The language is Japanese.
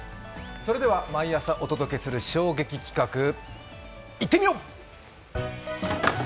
毎朝お届けする衝撃企画いってみよう！